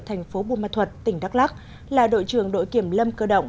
thành phố buôn ma thuật tỉnh đắk lắc là đội trường đội kiểm lâm cơ động